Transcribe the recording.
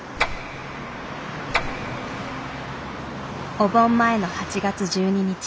お盆前の８月１２日。